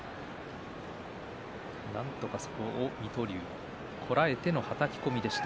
なんとかそれをこらえてのはたき込みでした。